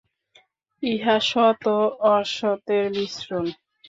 ইহা সৎ ও অসতের মিশ্রণ।